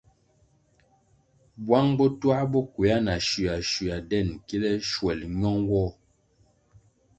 Bwang bo twā bo kwea na shua shua den kile shuel ño nwoh.